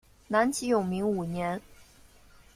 南齐永明五年。